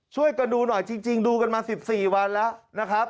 ช่วยกันดูหน่อยจริงดูกันมา๑๔วันแล้วนะครับ